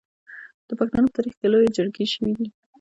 د پښتنو په تاریخ کې لویې جرګې شوي دي.